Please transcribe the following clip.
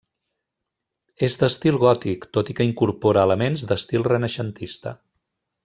És d'estil gòtic, tot i que incorpora elements d'estil renaixentista.